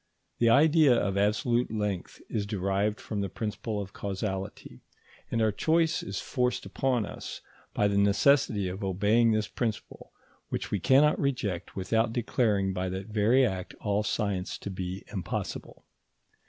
The idea of absolute length is derived from the principle of causality; and our choice is forced upon us by the necessity of obeying this principle, which we cannot reject without declaring by that very act all science to be impossible.